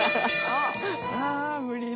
あ無理だ。